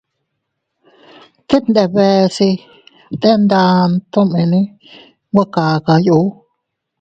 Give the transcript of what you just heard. Teg ndebe se bte nda tomene nwe kakay u.